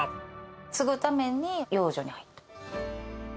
継ぐために養女に入った。